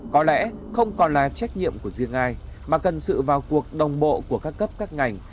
có lẽ không còn là trách nhiệm của riêng ai mà cần sự vào cuộc đồng bộ của các cấp các ngành